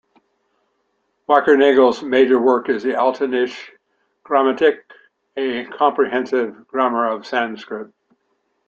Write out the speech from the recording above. Wackernagel's major work is the "Altindische Grammatik", a comprehensive grammar of Sanskrit.